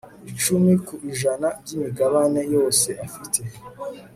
icumi ku ijana by imigabane yose afite